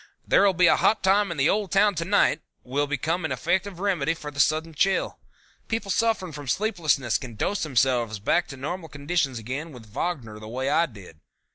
There'll Be a Hot Time In The Old Town To Night will become an effective remedy for a sudden chill. People suffering from sleeplessness can dose themselves back to normal conditions again with Wagner the way I did.